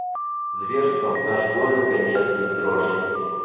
Зверством – аж горы вгонялись в дрожь.